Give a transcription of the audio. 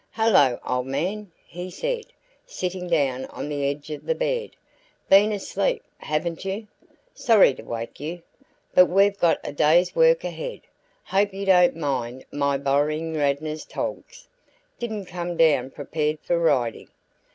"Hello, old man!" he said, sitting down on the edge of the bed. "Been asleep, haven't you? Sorry to wake you, but we've got a day's work ahead. Hope you don't mind my borrowing Radnor's togs. Didn't come down prepared for riding.